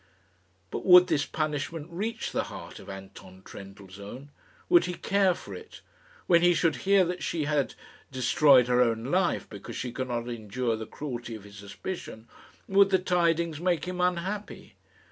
But would this punishment reach the heart of Anton Trendellsohn? Would he care for it? When he should hear that she had destroyed her own life because she could not endure the cruelty of his suspicion, would the tidings make him unhappy?